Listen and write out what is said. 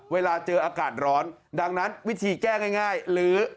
เวลาเจออากาศร้อนดังนั้นวิธีแก้ง่ายหรือ